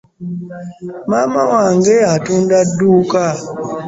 Maama wange atunda dduuka.